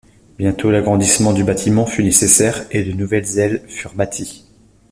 Bientôt, l'agrandissement du bâtiment fut nécessaire et de nouvelles ailes furent bâties.